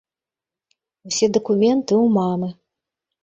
Усе дакументы ў мамы.